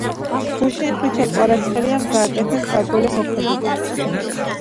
გუშინ ხვიჩა კვარაცხელიამ გააკეთა საგოლე მოქმედება.